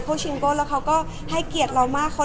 พอเสร็จจากเล็กคาเป็ดก็จะมีเยอะแยะมากมาย